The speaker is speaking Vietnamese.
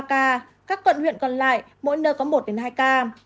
các quận huyện còn lại mỗi nơi có một hai ca